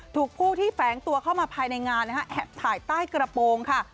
ถูกผู้ที่แฝงตัวเข้ามาภายในงานแอบถ่ายใต้กระโปรงค่ะ